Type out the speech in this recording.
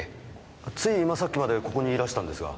つい今さっきまでここにいらしたんですが。